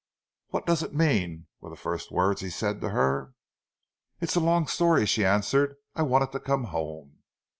"What does it mean?" were the first words he said to her. "It's a long story," she answered. "I wanted to come home."